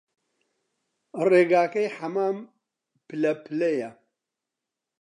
ڕێگاکەی حەمام پللە پللەیە